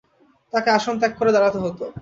তাঁকে আসন ত্যাগ করে দাঁড়াতে হত।